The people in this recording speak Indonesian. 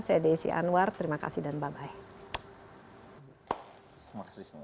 saya desi anwar terima kasih dan bye bye